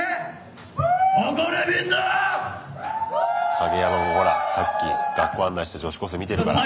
カゲヤマもほらさっき学校案内して女子高生見てるから。